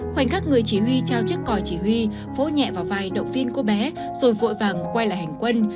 khoảnh khắc người chỉ huy trao chiếc cò chỉ huy vỗ nhẹ vào vai động viên của bé rồi vội vàng quay lại hành quân